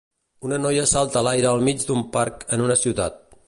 Una noia salta a l'aire al mig d'un parc en una ciutat.